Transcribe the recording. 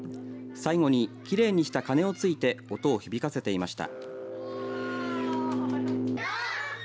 最後に、きれいにした鐘をついて音を響かせていました。